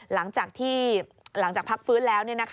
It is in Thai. หลังจากพักฟื้นแล้ว